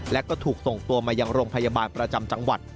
และก็ถูกส่งตัวมายังโรงพยาบาลประจำจังหวัด